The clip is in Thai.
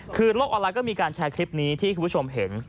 คือโลกออนไลน์ก็มีการแชร์คลิปนี้ที่คุณผู้ชมเห็น